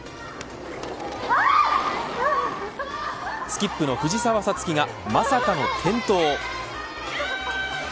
スキップの藤澤五月がまさかの転倒。